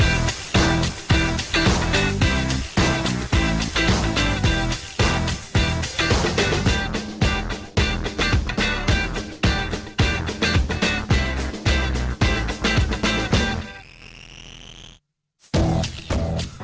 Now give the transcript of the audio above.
แล้วก็ผัดเร็วนะ